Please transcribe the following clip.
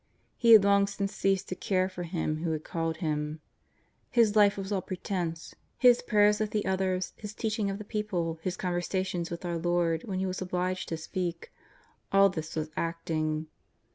He had long since ceased to care for Him who had called him. His life was all pretence ; his prayers with the others, his teaching of the people, his conversations with our Lord when he was obliged to speak — all this was acting.